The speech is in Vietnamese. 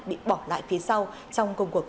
bị bỏ lại phía sau trong công cuộc